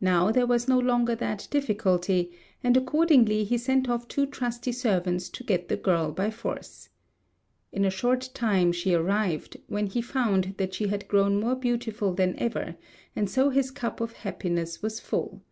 Now there was no longer that difficulty; and accordingly he sent off two trusty servants to get the girl by force. In a short time she arrived, when he found that she had grown more beautiful than ever; and so his cup of happiness was full.